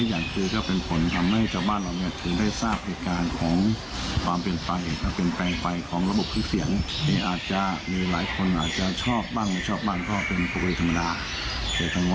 หรือว่าเป็นผู้สร้างเครื่องเสียงประมาณนั้น